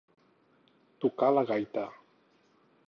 Tocar la gaita.